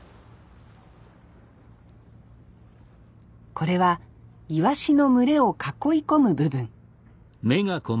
これはイワシの群れを囲い込む部分。